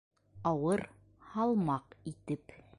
Ауыр, һалмаҡ итеп: